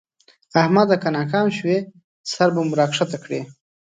احمده! که ناکام شوې؛ سر به مو راکښته کړې.